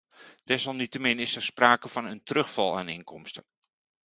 Desalniettemin is er sprake van een terugval aan inkomsten.